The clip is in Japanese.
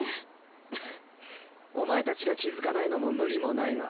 フッお前たちが気づかないのも無理もないが。